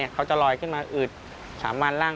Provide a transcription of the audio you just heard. เขาจะลอยขึ้นมาอืดสามัญร่าง